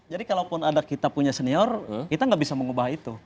jadi kalau pun ada kita punya senior kita tidak bisa mengubah itu